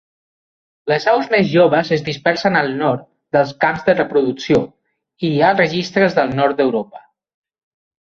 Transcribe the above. Les aus més joves es dispersen al nord dels camps de reproducció i hi ha registres del nord d'Europa.